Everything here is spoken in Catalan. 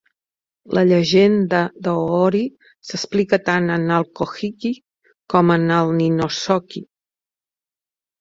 La llegenda d'Hoori s'explica tant en el "Kojiki" com en el Nihonshoki".